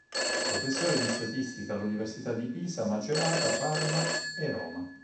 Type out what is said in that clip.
Professore di statistica all'Università di Pisa, Macerata, Parma e Roma.